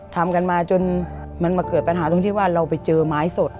ทำกันมาจนมันมาเกิดปัญหาตรงที่ว่าเราไปเจอไม้สด